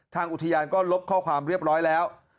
ทางอุทยานก็ลบข้อความเรียบร้อยแล้ว